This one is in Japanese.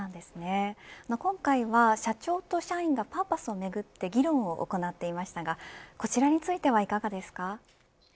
今回は社長と社員がパーパスをめぐって議論を行っていましたがこちらについてはいかがですか。